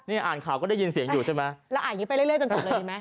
อ่านข่าวก็ได้ยินเสียงอยู่ใช่ไหมเราอ่านอย่างนี้ไปเรื่อยจนจบเลยดีไหม